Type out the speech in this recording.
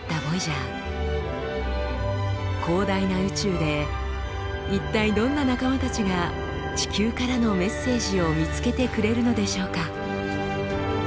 広大な宇宙で一体どんな仲間たちが地球からのメッセージを見つけてくれるのでしょうか？